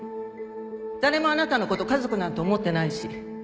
誰もあなたのこと家族なんて思ってないし